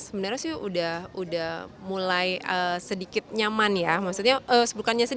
sebenarnya sudah mulai sedikit nyaman ya